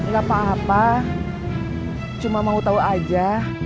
gak apa apa cuma mau tahu aja